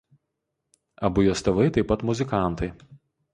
Abu jos tėvai taip pat muzikantai.